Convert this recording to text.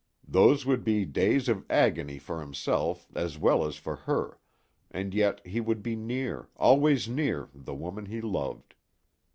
Those would be days of agony for himself as well as for her, and yet he would be near, always near, the woman he loved.